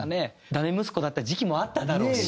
ダメ息子だった時期もあっただろうし。